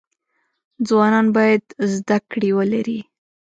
ځوانان باید زده کړی ولری